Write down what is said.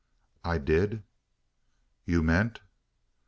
"I dud." "You meant